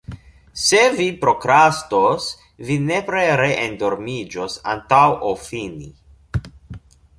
Se vi prokrastos, vi nepre re-endormiĝos antaŭ ol fini.